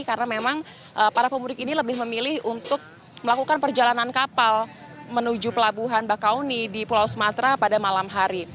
karena memang para pemudik ini lebih memilih untuk melakukan perjalanan kapal menuju pelabuhan bakauni di pulau sumatera pada malam hari